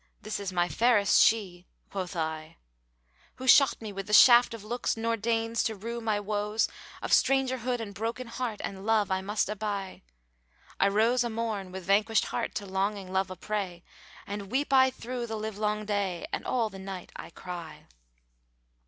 'This is my fairest she;'(quoth I) Who shot me with the shaft of looks nor deigns to rue my woes * Of strangerhood and broken heart and love I must aby: I rose a morn with vanquished heart, to longing love a prey * And weep I through the live long day and all the night I cry."